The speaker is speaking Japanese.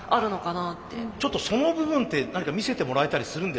ちょっとその部分って何か見せてもらえたりするんですかね？